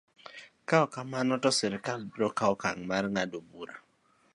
Ka ok kamano, sirkal biro kawo okang' mar ng'ado bura.